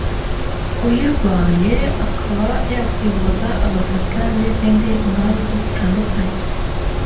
uyirwaye akaba yakwivuza agafata n’izindi ngamba zitandukanye